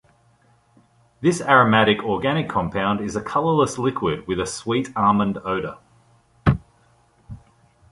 This aromatic organic compound is a colorless liquid with a sweet almond odour.